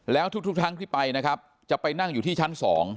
แล้วทุกครั้งที่ไปนะครับจะไปนั่งอยู่ที่ชั้น๒